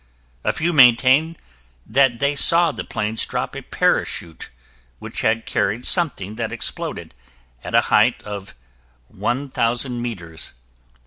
A few maintained that they saw the planes drop a parachute which had carried something that exploded at a height of 1,000 meters.